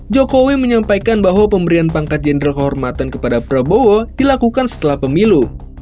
jokowi menyampaikan bahwa pemberian pangkat jenderal kehormatan kepada prabowo dilakukan setelah pemilu